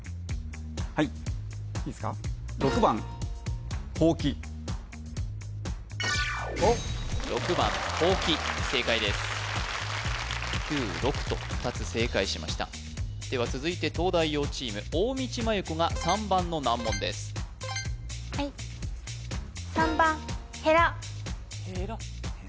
はいいいですか６番ほうき正解です９６と２つ正解しましたでは続いて東大王チーム大道麻優子が３番の難問ですはいへら？